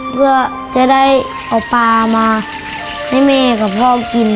เพื่อจะได้เอาปลามาให้แม่กับพ่อกิน